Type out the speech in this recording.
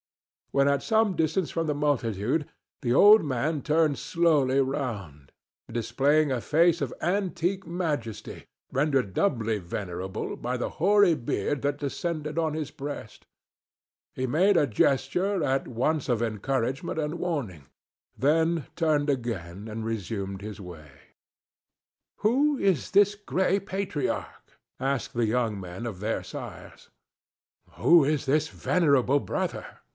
When at some distance from the multitude, the old man turned slowly round, displaying a face of antique majesty rendered doubly venerable by the hoary beard that descended on his breast. He made a gesture at once of encouragement and warning, then turned again and resumed his way. "Who is this gray patriarch?" asked the young men of their sires. "Who is this venerable brother?"